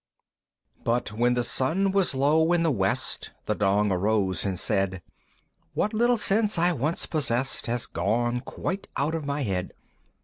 _" But when the sun was low in the West, The Dong arose and said, "What little sense I once possessed Has quite gone out of my head!"